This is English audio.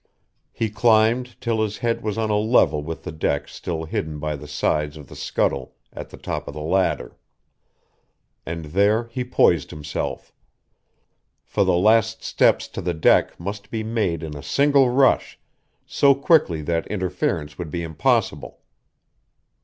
He climbed till his head was on a level with the deck still hidden by the sides of the scuttle at the top of the ladder. And there he poised himself; for the last steps to the deck must be made in a single rush, so quickly that interference would be impossible....